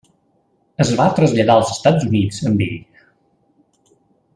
Es va traslladar als Estats Units amb ell.